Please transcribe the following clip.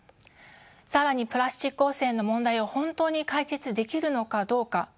更にプラスチック汚染の問題を本当に解決できるのかどうか。